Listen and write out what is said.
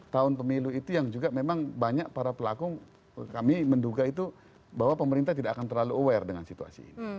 tahun pemilu itu yang juga memang banyak para pelaku kami menduga itu bahwa pemerintah tidak akan terlalu aware dengan situasi ini